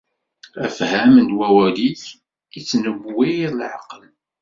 Afham n wawal-ik ittnewwir leɛqel.